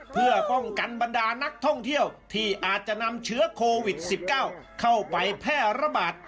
เพื่อป้องกันบรรดานักท่องเที่ยวที่อาจจะนำเชื้อโควิด๑๙เข้าไปแพร่ระบาด